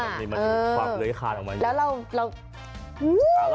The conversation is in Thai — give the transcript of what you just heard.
มันมีความเลยขาดออกมาอยู่